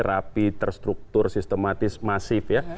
rapi terstruktur sistematis masif ya